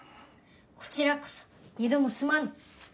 こちらこそ２度もすまぬ。